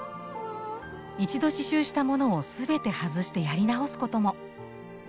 一度刺しゅうしたものを全て外してやり直すことも。